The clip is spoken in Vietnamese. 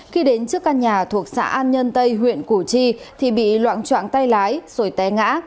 khi đến trước căn nhà thuộc xã an nhân tây huyện củ chi thì bị loạn trạng tay lái rồi té ngã